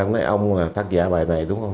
ông nói ông là tác giả bài này đúng không